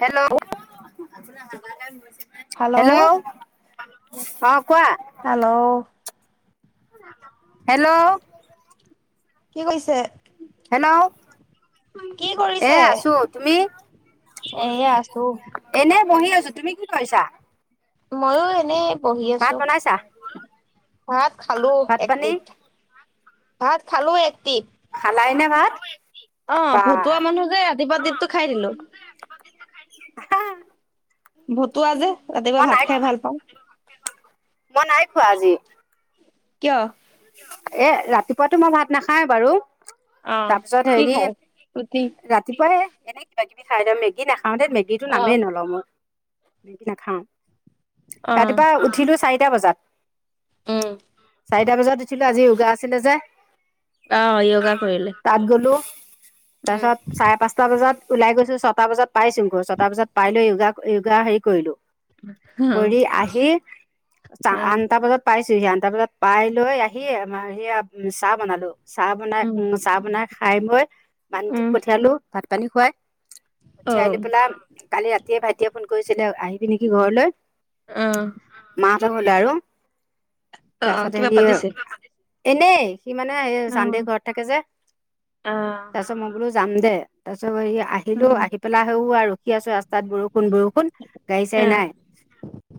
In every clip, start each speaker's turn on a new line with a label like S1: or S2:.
S1: Hello hello অ কোৱা
S2: hello
S1: hello
S2: কি কইছে
S1: হেল্ল'
S2: কি
S1: এ
S2: কৰিছে?
S1: আছো তুমি
S2: এয়া আছো।
S1: এনে বহি আছো তুমি কি কৰিছা
S2: মইও এনেই বহি
S1: ভাত
S2: আছো।
S1: বনাইছা
S2: ভাত খালো
S1: ভাত পানী
S2: একটিপ ভাত খালো একটিপ
S1: লাই নে ভাত
S2: অ',
S1: বা
S2: ভতুৱা মানুহ যে ৰাতিপুৱাৰ খাই দিলো। ভতুৱা যে ৰাতিপুৱা
S1: মই নাই
S2: ভাত খাই ভাল পাওঁ।
S1: মই নাই খোৱা আজি-
S2: কিয়?
S1: এ ৰাতি- ৰাতিপুৱাতো মই ভাত নাখায় বাৰু
S2: অ
S1: তাৰপিছত
S2: কি
S1: হেৰি
S2: খাই? ৰুটি।
S1: ৰাতিপুৱাই এনেকে। মেগী খাই, মেগী নাখাই। আগতে মেগীটোৰ
S2: অ',
S1: নামেই নলওঁ মই মেগী নাখাওঁ।
S2: অ',
S1: ৰাতিপুৱা উঠিলো চাৰি- কেইটা বজাত?
S2: উ'ম
S1: চাৰিটা বজাত- উঠিছিলো আজি য়োগা আছিলে যে
S2: অ', য়োগা কৰিলে-
S1: তাৰ
S2: উম,
S1: পিছত চাৰে পাঁচটা বজাত- ওলাই গৈছো ছটা বজাত পাইছো, গৈ ছটা বজাত পাই লৈ য়োগা য়োগা হেৰি কৰিলো।
S2: অ',
S1: কৰি আহি
S2: অ',
S1: আঠটা বজাত পাইছো। [inaudible] বজাত পাই লৈ আহ [unintelligible] চাহ বনালো, চাহ বনাই উ'ম চাহ বনাই খাই। খাই বৈ- মানুহটোক
S2: উম,
S1: পঠিয়ালো। ভাত পানী খুৱাই- পঠিয়াই
S2: অ',
S1: দি পেলাই কালি ৰাতিয়ে ভাইটিয়ে ফোন- কৈছিলে আহিবি নেকি ঘৰলৈ-
S2: অ',
S1: মা হতৰ আৰু
S2: অ',
S1: তাৰপাছত
S2: কিবা
S1: হেৰি
S2: পাতিছে।
S1: এনেই সি মানে সেই চান্দে
S2: অ',
S1: ঘৰত থাকে, যে
S2: অ',
S1: তাৰ পিছত মই বলো- যাম দে তাৰপিছত- আহিলো
S2: উম,
S1: আহি পেলাই সৌৱা আৰু সি আছে ৰাস্তাত বৰষুণ- ষুণ বৰষুণ গাড়ী চাড়ী
S2: অ',
S1: নাই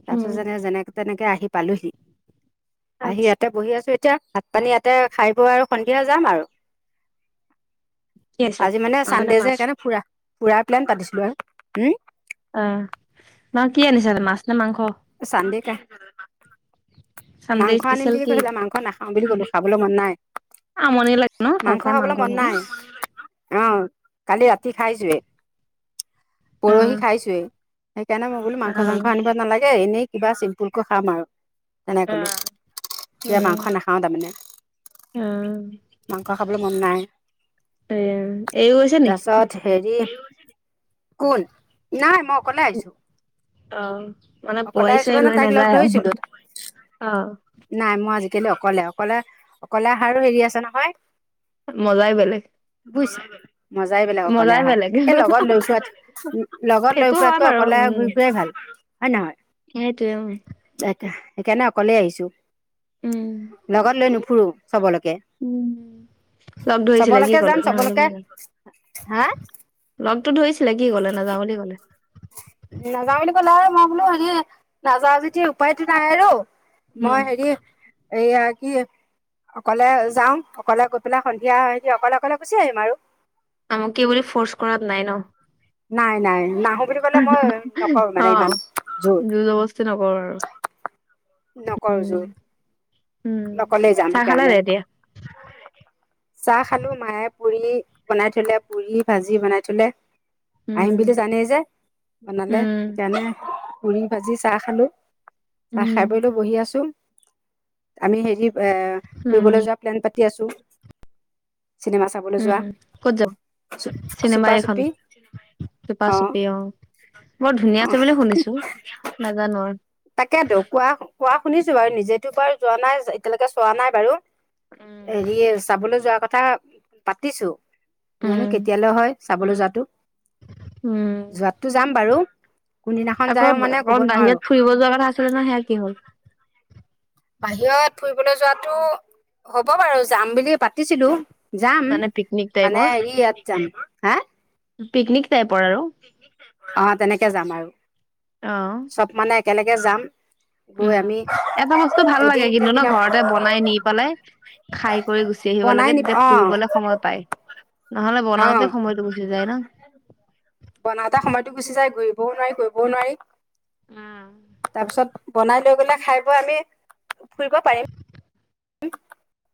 S1: তাৰ পিছত
S2: উম,
S1: যেনে যেনেকে তেনেকে আহি পালোহি আহি
S2: আচ্ছা।
S1: ইয়াতে বহি আছো। এতিয়া ভাত পানী ইয়াতে খাই বোৱা আৰু সন্ধিয়া যাম আৰু।
S2: কি আছে
S1: আজি মানে
S2: মাংস নে
S1: ছানডে যে
S2: মাছ?
S1: সেইকাৰণে ফুৰা। ফুৰা প্লেন পাতিছিলো আৰু হম।
S2: অ ম কি আনিছান মাছ -
S1: চানদে ক্ [unintelligible]
S2: চানডে
S1: মাংস আনিম
S2: স্পেচিয়েল
S1: বুলি
S2: কি?
S1: কৈা মাংস নাহ নাখাওঁ বুলি ক'লো খাবলৈ মন নাই।
S2: আমনি লাগে ন খাই খাই
S1: খাবলৈ
S2: মাংস
S1: মন
S2: খিনি।
S1: নাই অ কালি ৰাতি খাই যে পৰহি
S2: আহ
S1: খাইছোৱেই। সেইকাৰণে মইো
S2: আহ।
S1: মাংসাংস আনিব নালাগে এনে কিবা চিম্পুলকৈ খাম আৰু তেনেকৈ ক'লোঁ এয়া মাংস নাখাওঁ তাৰমানে।
S2: আহ
S1: মাংস খাবলৈ মন নাই
S2: এয়া এইো আছে ন?
S1: তাৰপিছত হেৰি কোন নাই ম
S2: আহ মানে
S1: অকলে আহিছো
S2: পোৱাইছে
S1: মানে
S2: লৈ
S1: তাইক লগ
S2: নাযায়
S1: ধৰিছিলো
S2: আৰু! অ।
S1: ম আজিকালি অকলে অকলে অকলে আহাৰো হেৰি আছে নহয়।
S2: মজাই বেলেগ।
S1: বুজ মজাই বেলেগ অকলে
S2: মজাই
S1: আহহা
S2: বেলেগ
S1: এই লগত লৈ চোৱাত লগত লৈ
S2: সেইটো হয়
S1: খোৱাতকৈ
S2: বাৰু
S1: অকলে
S2: উম
S1: গুৈ ফোৱাই ভাল নহয়
S2: সেইটোৱে উম
S1: [inaudible] সেইকাৰণে অকলেই আহিছো লগত লৈনো ফুৰো
S2: উ লগ ধৰিছিলে কি
S1: চবলৈকে যাম
S2: কলে ন
S1: চবলৈকে
S2: বুলি
S1: হা
S2: লগতটো ধৰিছিলে কি কলে নাযাওঁ বুলি কলে
S1: নাযাওঁ বুলি ক'লে আৰু মই বোলো হেৰি নাওঁ যেতিয়া উপায়টোো নাই। হ আৰু
S2: উম
S1: মই হেৰি এইয়া কি অকলে যাওঁ অকলে গৈ পেলাই সন্ধিয়া স অকলে অকলে গুচি আহিম আৰু
S2: আমুকে বুলি ফৰ্চ কৰাত নাই ন।
S1: নাই নাই নাই আহ বুলি কলে মই নকৰো মানে
S2: অ
S1: ইমান জোৰ
S2: জবস্তি নকৰো আৰু
S1: নকৰো
S2: উম
S1: জোৰ।
S2: উম
S1: অকলে যাম
S2: চাহ খালে
S1: সেইকাৰণে।
S2: নাই এতিয়া
S1: চাহ খালোঁ, মায়ে পুৰি বনাই থ'লে, পুৰি-ভাজি বনাই থ'লে। আহিম
S2: উম
S1: বুলি জানেই যে, বনালে,
S2: উম
S1: সেইকাৰণে পুৰি-ভাজি চাহ খালোঁ। [unintelligible]
S2: উম
S1: খাই-বই লৈ বহি আছোঁ। আমি হেৰি এ
S2: উম
S1: ফুৰিবলৈ যোৱা প্লেন পাত [unintelligible] আছোঁ। চিনেমা চাবলৈ যোৱা,
S2: উম ক'ত যাব
S1: চু
S2: চিনেমা এইখন
S1: চুপা-চুপি,
S2: চুপা
S1: অ'।
S2: চুপি বৰ
S1: আহ্
S2: ধুনীয়া আছে বুলি শুনিছো
S1: [unintelligible]
S2: নাজানো আৰু
S1: তাকেইতো কোৱা কোৱা শুনিছো বাৰু নিজেতো বাৰ যোৱা নাই এতিয়ালৈকে চোৱা নাই বাৰু।
S2: উম
S1: হেৰিয়ে চাবলৈ যোৱা কথ [unintelligible] পাতিছোঁ। জানো
S2: উম
S1: কেতিয়ালৈ হয়! চাবলৈ যোৱাতো
S2: উম
S1: যোৱাতটো যাম বাৰু। কোনদিনাখন
S2: আকৌ
S1: যায় মানে ক'ব
S2: অকণ
S1: নোৱাৰোঁ
S2: বাহিৰত ফুৰিব যোৱাৰ কথা আছিলে নহয়! সেয়া কি হ'ল?
S1: বাহিৰত ফুৰিবলৈ যোৱাটো হ'ব বাৰু যাম বুলি পাতিছিলোঁ। যাম
S2: পিকনিক টাইপৰ
S1: মানে ই-ইয়াত যাম হা?
S2: পিকনিক। টাইপৰ আৰু
S1: অ' তেনেকে যাম আৰু।
S2: অ
S1: চব মানে একেলগে যাম। গৈ
S2: উম
S1: আমি
S2: এটা বস্তু ভাল লাগে
S1: দুদিন
S2: কিন্তু ন
S1: তিনিদিনত
S2: ঘৰতে বনাই নি পেলাই, খাই কৰি গুচি আহিব লাগে,
S1: বনাই নি
S2: তেতিয়া
S1: অ
S2: ফুৰিবলে সময় পায়। নহলে
S1: অ
S2: বনাওঁতে সময়টো গুচি যায় ন'।
S1: বনাওঁতে সময়টো গুচি যায় ঘূৰিবও নোৱাৰি, কৰিবও
S2: উম।
S1: নোৱাৰি। তাৰপিছত বনাই লৈ গ'লে খাই বৈ আমি ফুৰিব পাৰিম।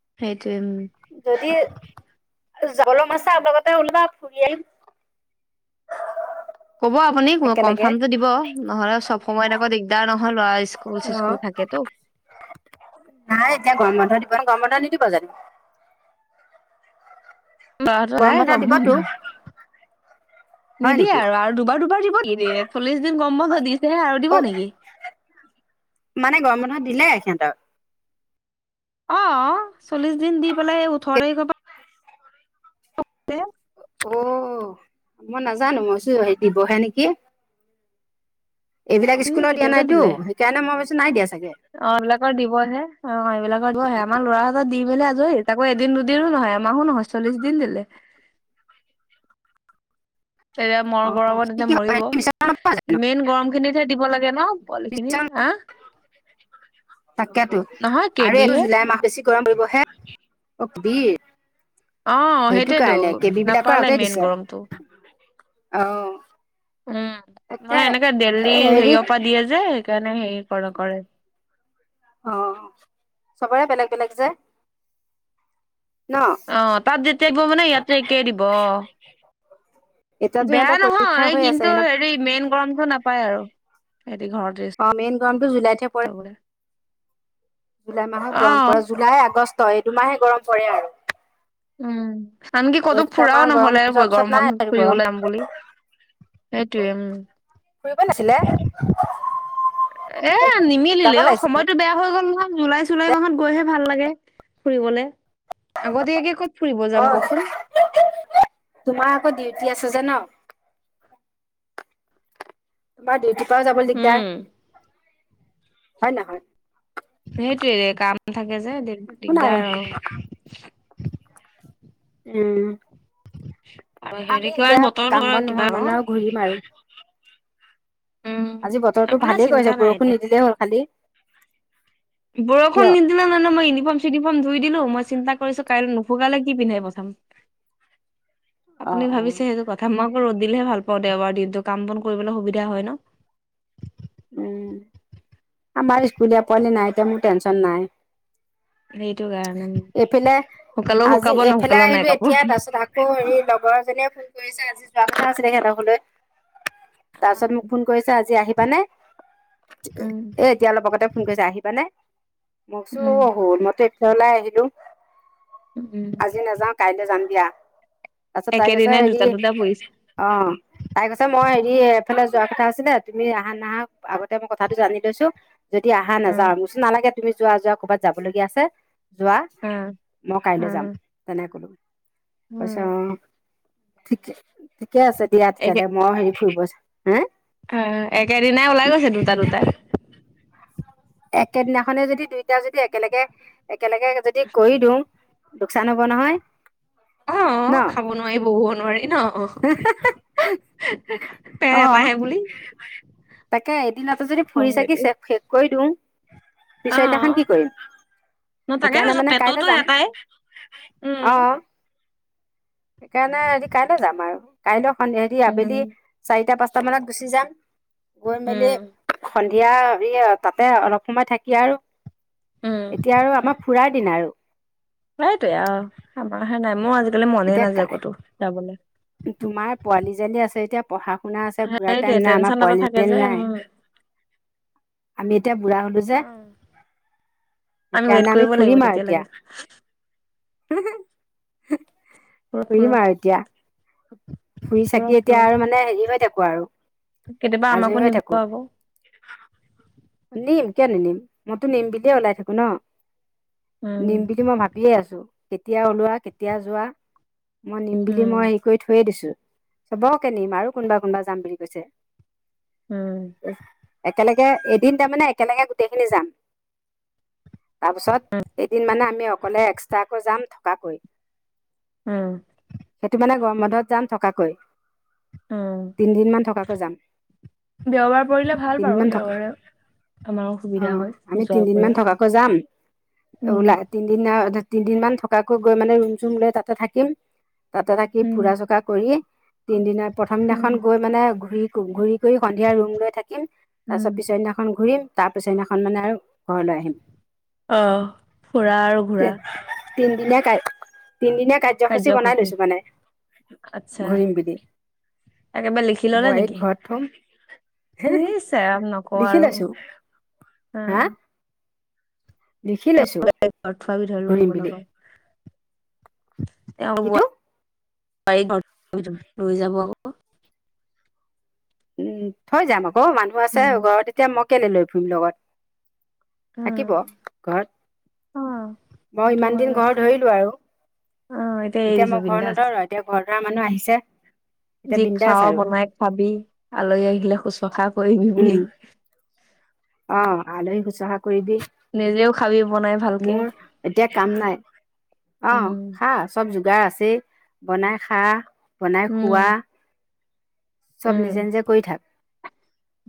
S2: [unintelligible]
S1: যদি
S2: [unintelligible]
S1: [unintelligible]
S2: ক'ব আপুনি
S1: একেলগে
S2: কনফাৰ্মটো দিব, নহ'লে চব সময়ত আকৌ দিগদাৰ ন [unintelligible] ল'ৰাৰ
S1: অ
S2: স্কুল-চিস্কুল থাকেতো।
S1: নাই এতিয়া গৰম বন্ধ দিব গৰম বন্ধ নিদিব জানো?
S2: [unintelligible]
S1: গৰম বন্ধ দিবতো হয়
S2: নিদিয়ে
S1: নেকি
S2: আৰু আৰু দুবাৰ দুবাৰ দিব নেকি [unintelligible] চল্লিশ দিন গৰম বন্ধ দিছেহে আৰু
S1: অ
S2: দিব নেকি!
S1: মানে গৰম বন্ধ [unintelligible]
S2: অ। চল্লিশ দিন দি পেলাই সেই ওঠৰ তাৰিখৰ পৰা আছে
S1: অ মই নাজানো মইছো হে দিবহে নেকি এইবিলাক
S2: উম
S1: স্কুলত দিয়া
S2: কেতিয়াবাতে
S1: নাইতো
S2: দিলে
S1: সেইকাৰণে মই ভাবিছো নাই দিয়া চাগে।
S2: অ এইবিলাকৰ দিবহে অ এইবিলাকে আমাৰ ল'ৰাৰ হ দি মেলি আজৰি তাকৌ এদিন দুদিনো নহয় এমাহো নহয় চল্লিশ দিন, দিলে। তেতিয়া
S1: অ
S2: মৰ গৰম
S1: কি
S2: তেতিয়া
S1: কি বিচনা নোপোৱা
S2: মৰিব
S1: জানো
S2: মেইন গৰম খিনিতহে দিব লাগে ন পোৱালি খিনি
S1: বিচনা
S2: হা,
S1: তাকেতো
S2: নহয়,
S1: আৰু এইটো
S2: কেবিহে।
S1: জুলাই মাহ বেছি গৰম কৰিব হে অ বীৰ।
S2: অ সেইটোয়েতো নাপালে মেইন গৰমটো।
S1: আহ
S2: উম', মই এনেকে দেল্লি
S1: হেৰি
S2: হেইঅপা দিয়েযে হেইকাৰণে হেই কৰ কৰে
S1: অ চবৰে বেলেগ বেলেগ যে। ন
S2: অ তাত যেতিয়া দিব মানে ইয়াতো একেই দিব অ
S1: এতিয়াতো
S2: বেয়া
S1: সিহঁতৰ পৰীক্ষা
S2: নহয়
S1: হৈ আছে
S2: কিন্তু
S1: সিহঁতৰ
S2: হেৰি মেইন গৰমটো নাপায় আৰু। সিহঁতি ঘৰত ৰেষ্ট
S1: অ মেইন গৰমটো জুলাইতহে পৰে
S2: লবলে
S1: জুলাই মাহত গৰম
S2: অ',
S1: পৰে জুলাই, আগষ্ট। ষ্ট এইতো দুমাহে গৰম পৰে আৰু
S2: উম আনকি
S1: এই
S2: কতো
S1: দুটা
S2: ফুৰাও
S1: মাহ গৰম
S2: নহলে
S1: যোৱাৰ পিছত
S2: গৰম
S1: নাই
S2: বন্ধত
S1: আৰু গৰম
S2: ফুৰিবলে যাম যাম বুলি। সেইটোয়ে উম,
S1: ফুৰিব নাছিলে
S2: এ নিমিলিলে অ সময়টো বেয়া হৈ গ'ল জুলাই চুলাই মাহত গৈহে ভাল লাগে আগতীয়াকে ক'ত ফুৰিব
S1: অ
S2: যাম কওকচোন
S1: ছজনা বা ডিউটি তই যাবলৈ দিগদাৰ
S2: উম।
S1: হয় ন হয়
S2: সেইটোয়ে দে কাম থাকে যে
S1: একো নাই
S2: দিগদাৰ আৰু
S1: উম।
S2: [inaudible]
S1: আমি
S2: কিবা
S1: এতিয়া
S2: বতৰটো
S1: কাম বন
S2: কিবা
S1: নোহোৱা
S2: ন
S1: মানহ আৰু ঘূৰি মাৰো
S2: উম
S1: আজি বতৰটো
S2: আপোনাৰ
S1: ভালে
S2: চিন্তা
S1: কৰিছে
S2: নাই
S1: বৰষুণ
S2: এতিয়া
S1: নিদিলেই হ'ল খালি।
S2: বৰষুণ
S1: কিয়
S2: নিদিলে মানে মই ইউনিফৰ্ম চিনিফৰ্ম ধুই দিলো মই চিন্তা। কৰিছো কাইলৈ নুসুকালে কি পিন্ধি পথাম
S1: অ
S2: আপুনি
S1: অ
S2: ভাবিছে সেইটো কথা মই ৰ'দ দিলেহে ভাল পাওঁ দেওবাৰ দিনটো কাম বন কৰিবলৈ সুবিধা হয় ন।
S1: উম। আমাৰ স্কুলীয়া পোৱালি নাই এতিয়া মোৰ টেনচন নাই।
S2: সেইটো কাৰ।
S1: এইফেলে আজি এইফেলে
S2: নুশুকালেও নাই
S1: আহিলো
S2: কাপোৰ
S1: এতিয়া তাৰ পিছত আকৌ হেৰি লগৰ এজনীয়ে? ফোন কৰিছে আজি যোৱা কথা আছিলে সিহতৰ ঘৰলৈ তাছত মোক ফোন কৰিছে আজি আহিবানে
S2: উম
S1: এ এতিয়া অলপ আগতে ফোন কৰিছে আহিবানে। মোকচো
S2: উম
S1: অহ মতে [unintelligible] [inaudible]
S2: উম
S1: আজি নাযাওঁ কাইলৈ যাম দিয়া তাৰপিছত তাই কৈছে
S2: একেদিনাই
S1: হেৰি
S2: দুটা দুটা পৰিছে
S1: অ তাই কৈছে মই হে ই এফালে যোৱা কথা আছিলে তুমি আহা নাহা আগতে মই কথাটো জানি লৈছো। যদি অহা
S2: উম
S1: নাযাওঁ মচো নালাগে। তুমি যোৱা যোৱা, ক'বাত যাবলগীয়া আছে। যোৱা
S2: উম
S1: মই কাইলৈ
S2: উম
S1: যাম তেনে কলো হৈছে
S2: উম
S1: অ ঠিকে। ঠিকে আছা দিয়া তেতিয়াহলে মই হেৰি ফুৰিব। হা
S2: আহ একেদিনাই ওলাই গৈছে দুটা দুটা।
S1: একেদিনাখনে যদি দুইটা যদি একেলগে কেনেকে যদি কৰি দিওঁ লোকচান হ'ব নহয়।
S2: অ খাব নোৱাৰি বহিব নোৱাৰি ন অ। পেট
S1: আহ।
S2: এটাহে বুলি
S1: তাকে। দিনতো যদি ফুৰি
S2: হয়
S1: চাকি
S2: দেই
S1: চে শেষ কৰি দিওঁ
S2: অ
S1: পিছৰদিনাখন কি কৰিম
S2: ন তাকে
S1: সেইকাৰণে
S2: কৈছো
S1: মানে
S2: পেটতো
S1: কাইলৈ যাম
S2: এটাই উম
S1: অ। সেইকাৰণে এ কাইলৈ যাম আৰু কাইলৈ সন্ধ্যা, হেৰি,
S2: উম
S1: আবেলি চাৰিটা-পাঁচ বৰ্তমানত গুচি যাম গৈ মেলি
S2: উম
S1: সন্ধিয়া হে তাতে অলপ সময় থাকি আৰু
S2: উম
S1: এতিয়া আৰু আমাৰ ফুৰাই [unintelligible] আৰু
S2: সাইটয়ে আৰু আমাৰে নাই মই আজি লে মনে
S1: এতিয়া
S2: নাযায় কতো যাবলৈ
S1: তোমাৰ পোৱালি জালি আছে এতিয়া পঢ়া শুনা আছে ঘূৰা
S2: সেইটোৱে
S1: টাইম নাই আমাৰ
S2: টেনচন এটা
S1: পোৱালি
S2: থাকে যে
S1: যেন
S2: উম
S1: নাই
S2: উম
S1: আমি এতিয়া বুঢ়া হলো যে
S2: আমি
S1: সেইকাৰণে
S2: ৱট কৰিব লাগিব তেতিয়ালৈকে
S1: হে হে।।
S2: ফুৰক
S1: ফুৰিম
S2: ফুৰক
S1: আৰু এতিয়া ফুৰি
S2: ফুৰক
S1: চাকি এতিয়া
S2: ফুৰক
S1: আৰু মানে হেৰি হৈ থাকো আৰু
S2: কেতিয়াবা
S1: আজৰি
S2: আমাকো
S1: হৈ
S2: নিব,
S1: থাকো
S2: আক
S1: নিম কিয় নিদিম মইতো নিম বিতিয়া ওলাই থাকো ন
S2: উম
S1: নিম বুলি মই ভাবিয়ে আছো। কেতিয়া ওলোৱা কেতিয়া যোৱা মই নিম বুলিি মই
S2: উম
S1: হেৰি কৰি থৈয়ে দিছো চব কে নিম আৰু কোনোবা কোনোবা যাম বুলি কৈছে
S2: উম।
S1: তেনেকে এ টিন তা মানে একেলগে গোটেইখিনি যাম। তাৰপিছত এদিন মানে আমি অকলে, এক্সট্ৰাকৈ যাম, থকাকৈ
S2: অ
S1: সেইটো মানে গৰ মধত যাম থকাকৈ
S2: উ
S1: তিনদিন মান থকাকৈ যাম
S2: দেওবাৰ পৰিলে ভাল পাৰো
S1: তিনদিনমান থকা
S2: দেওবাৰে আমাৰো
S1: অ
S2: সুবিধা হয়
S1: আমি
S2: যোৱা
S1: তিনদিন মান
S2: কৰা
S1: থকাকৈ যাম
S2: উম
S1: ওলা তিনদিন তিনদিন মমান থকাকৈ গৈ মানে ৰুম চুম লৈ তাতে থাকিম। তাতে থাকি
S2: উম
S1: ফুৰা চুকা কৰি তিনদিনা প্ৰথম
S2: উম
S1: দিনাখন গৈ মানে ঘূৰি পোংঘৰিত সন্ধিয়া ৰুম লৈ থাকি তাৰ
S2: উম।
S1: পিছত পিছদিনা খন ঘূৰিম তাৰ পিছৰ দিনাখন মানে আৰু ঘৰলৈ আহিম।
S2: আহ ফুৰা আৰু ঘূৰা
S1: কাই তিনিদিনীয়া কাৰ্যসূচী বনাই লৈছো মানে
S2: আচ্ছা
S1: ঘূৰিম বুলি বোৱাৰীক ঘৰত থম
S2: নি চৰাম নক
S1: দেখি লৈছোঁ, হা দেখি লৈছো
S2: খোৱাবি ধৰিলো
S1: ঘূৰিম
S2: এইবোৰ
S1: বুলি
S2: লগত তেওঁ ঘৰ
S1: কিটো
S2: ভিতৰত লৈ যাব, আকৌ
S1: উম থৈ যাম আকৌ অ', মানুহ আছে
S2: উম,
S1: ঘৰত। তেতিয়া মোক কেলে লৈ ফুৰিম লগত?
S2: উম,
S1: থাকিব। ঘৰত।
S2: অ,
S1: মই
S2: সেইটো
S1: ইমান
S2: হয়
S1: দিন
S2: বাৰু
S1: ঘৰ ধৰিলো আৰু।
S2: অ, এৰি
S1: এতিয়া
S2: দিছো
S1: মই ঘৰ
S2: বিন্দাছ
S1: নধৰো। এতিয়া ঘৰ ধৰা মানুহ আহিছে। এতিয়া
S2: যি
S1: বিন্দাছ
S2: খাৱ
S1: আৰু
S2: বনাই খোৱাবি, আলহী আহিলে শুশ্ৰূষা কৰিবি বুলি
S1: উম, অ' আলহী শুশ্ৰূষা কৰিবি।
S2: নিজেও খাবি বনাই ভালকে
S1: মোৰ এতিয়া কাম নাই। অ
S2: উম,
S1: খা চব যোগাৰ আছে বনাই খা। বনাই
S2: উম,
S1: খোৱা। চব
S2: উম,
S1: নিজে-নিজে কৰি থাক।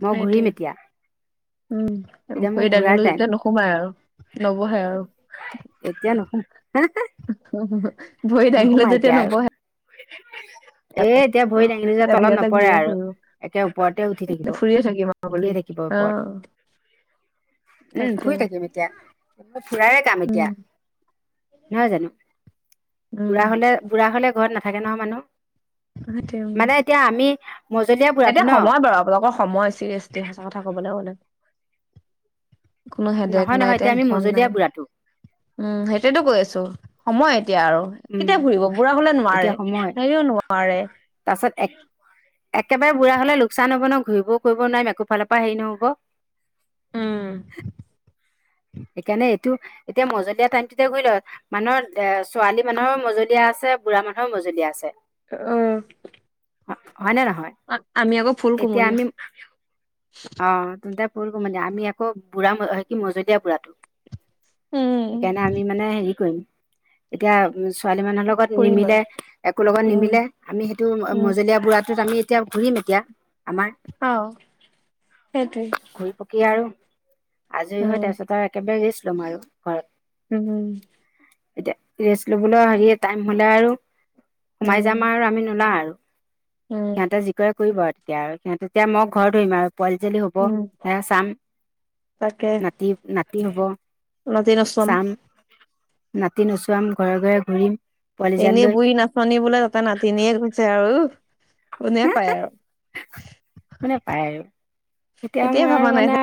S1: মই
S2: সেইটোৱে
S1: ঘূৰিম এতিয়া।
S2: উম।
S1: এতিয়া মোৰ
S2: ভৰি
S1: ঘূৰাৰ
S2: দাঙিলো
S1: টাইম
S2: যেতিয়া নোসোমাই আৰু। নবহে আৰু।
S1: এতিয়া নহয়
S2: অ ভৰিত দাঙিলে যেতিয়া নবহে।
S1: [inaudible] এ এতিয়া
S2: অ
S1: ভৰি দাঙিল যে
S2: এতিয়া
S1: তলত
S2: বাহিৰতে
S1: নপৰে
S2: ঘূৰিয়ে
S1: আৰু।
S2: ফুৰিব
S1: একে ওপৰতে উঠি থাকিব।
S2: ফুৰিয়ে থাকিম আৰু বুলি
S1: উঠিয়ে থাকিব
S2: অ
S1: ওপৰত। উম।
S2: তাকে
S1: ফুৰি থাকিম এতিয়া। ফুুৰাৰে কাম এতিয়া।
S2: উম
S1: নহয় জানো।
S2: উম
S1: বুঢ়া হলে- বুঢ়া হ'লে- ঘৰত নাথাকে নহয় মানুহ।
S2: সেইটোৱে উম
S1: মানে এতিয়া আমি মজলীয়া বুঢ়াটো
S2: এতিয়া
S1: ন
S2: সময় বাৰু আপোনালোকৰ সময়। চিৰিয়াচলি সঁচা কথা কবলৈ গ'লে কোনো হেদেক
S1: নহয়
S2: নাই।
S1: নহয় এতিয়া আমি
S2: টেনচন নাই।
S1: মজলীয়া বুঢ়াটো
S2: উম। হেইটয়েটো কৈ আছো। সময় এতিয়া আৰু।
S1: উম
S2: কেতিয়া ফুৰিব বুঢ়া হলে
S1: এতিয়া
S2: নোৱাৰে।
S1: সময়
S2: হেৰিও নোৱাৰে।
S1: তাৰপাছত এক একেবাৰে বুঢ়া হলে লোকচান হব নয়, ঘূৰিও কৰিব নোৱাৰিম একোফালৰ পৰা হেৰি নহ'ব।
S2: উম
S1: সেইকাৰণে এইটো এতিয়া মজলীয়া টাইমটোতে ঘুৰি ল। মানুহৰ এ ছোৱালী মানুহৰ মজলীয়া আছে। বুঢ়া মানুহৰ মজলীয়া আছে।
S2: আহ।
S1: হয়। হয়নে নহয়? এতিয়া
S2: কোমলীয়া
S1: আমি অ'হ। তেন্তে ফুলকুমলীয়া। মানে আমি আকৌ বুঢ়া, কি মজলীয়া বুঢ়াটো।
S2: উম
S1: সেইকাৰণে আমি মানে হেৰি কৰিম এতিয়া ছোৱালী মানুহৰ লগত
S2: ফুৰিম
S1: নিমিলে
S2: আৰু
S1: একো লগত
S2: উম
S1: নিমিলে আমি সেইটো
S2: উম
S1: মজলীয়া বুঢ়াটোত আমি এতিয়া ঘূৰিম এতিয়া। আমাৰ
S2: আহ সেইটোৱেই।
S1: য় আৰু আজৰি হয় তাৰপিছত আৰু একেবাৰে ৰিষ্ট ম হয়
S2: উম।
S1: এতিয়া ৰেষ্ট লবলৈ হেৰি টাইম হলে আৰু সোমাই
S2: উম
S1: যাম আৰু আমি নোলও আৰু।
S2: উম
S1: সিহঁতে যি কৰে কৰিব আৰু - এতিয়া আৰু তেতিয়া মই ঘৰ ধৰিম আৰু। পোৱালিজনী হ'ব
S2: উম
S1: সেইয়া চাম নাতি না। হ'ব।
S2: অতে ৰসম
S1: চাম নাতি নোচোৱাম ঘৰে ঘৰে ঘূৰিম। পোৱালি জাল
S2: এনেই
S1: লৈ
S2: বুঢ়ী নাচনী বোলে তাতে নাতিনিয়েক ইৈছে আৰু। কোনে পায় আৰু
S1: শুনে পায় আৰু তেতিয়া
S2: এতিয়াই
S1: মোৰ আৰু
S2: ভবা নাই
S1: মানে
S2: চা।